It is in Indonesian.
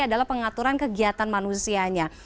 adalah pengaturan kegiatan manusianya